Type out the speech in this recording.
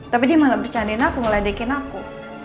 tapi dia malah bercandain aku meledekin aku